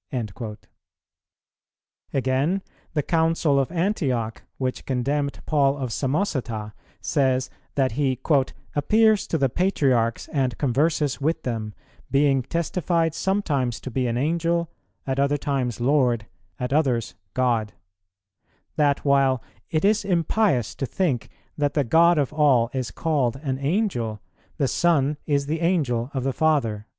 "[135:4] Again, the Council of Antioch, which condemned Paul of Samosata, says that He "appears to the Patriarchs and converses with them, being testified sometimes to be an Angel, at other times Lord, at others God;" that, while "it is impious to think that the God of all is called an Angel, the Son is the Angel of the Father."